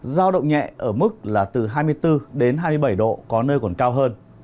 giao động nhẹ ở mức là từ hai mươi bốn đến hai mươi bảy độ có nơi còn cao hơn